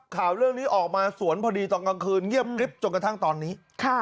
ข่าวเรื่องนี้ออกมาสวนพอดีตอนกลางคืนเงียบกริ๊บจนกระทั่งตอนนี้